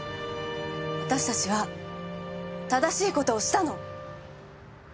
私たちは正しい事をしたの。